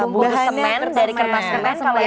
bonus semen dari kertas semen